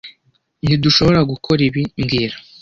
Ntidushobora gukora ibi mbwira